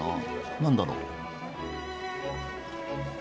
何だろう？